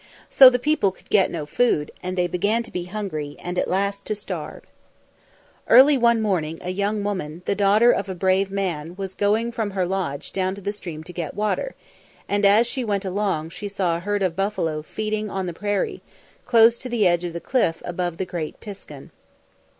So the people could get no food, and they began to be hungry, and at last to starve. Early one morning a young woman, the daughter of a brave man, was going from her lodge down to the stream to get water, and as she went along she saw a herd of buffalo feeding on the prairie, close to the edge of the cliff above the great piskun.